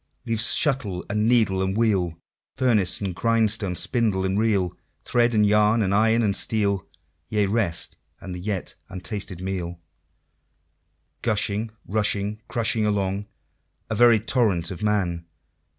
Leaving shuttle, and needle, and wheel, Furnace, and grindstone, spindle, and reel, Thread, and yarn, and iron, and steel Yea, rest and the yet untasted meal Gushing, rushing, crushing along, A very torrent of Man!